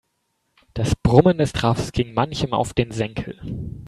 Das Brummen des Trafos ging manchem auf den Senkel.